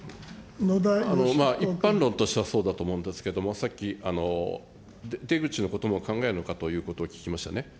一般論としてはそうだと思うんですけども、さっき、出口のことも考えるのかということを聞きましたね。